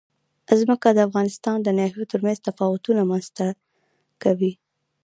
ځمکه د افغانستان د ناحیو ترمنځ تفاوتونه رامنځ ته کوي.